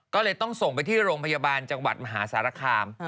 ก็เลยต้องส่งไปที่โรงพยาบาลจังหวัดมหาสารคาม